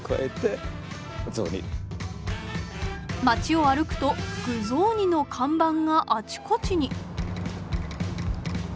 街を歩くと「具雑煮」の看板があちこちに。